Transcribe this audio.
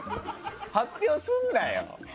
発表するなよ！